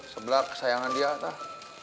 sebelah kesayangan dia tah